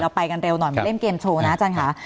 ไปกันเร็วหน่อยมาเล่นเกมโชว์นะอาจารย์ค่ะ